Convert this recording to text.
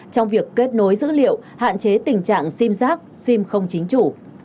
trong việc kết nối dữ liệu hạn chế tình trạng sim giác sim không chính chủ